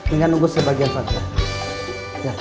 ingat nunggu sebagian saja